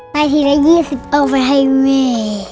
ทีละ๒๐เอาไปให้แม่